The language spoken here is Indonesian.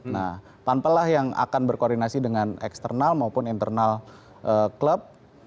nah panpel lah yang akan berkoordinasi dengan eksternal maupun internal klub